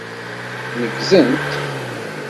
Neggzent.